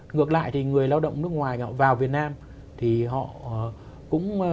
ngược lại thì người lao động nước ngoài vào việt nam thì họ cũng